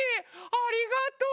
ありがとう。